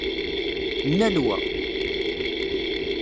Nnal wa!